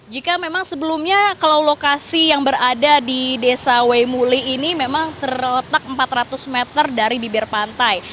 jika memang sebelumnya kalau lokasi yang berada di desa wemule ini memang terletak empat ratus meter dari bibir pantai